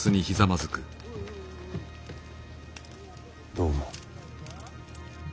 どう思う？